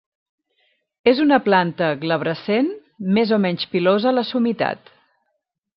És una planta glabrescent més o menys pilosa a la summitat.